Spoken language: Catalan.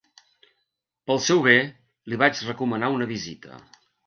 Pel seu bé li vaig recomanar una visita.